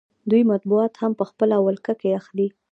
دوی مطبوعات هم په خپله ولکه کې اخلي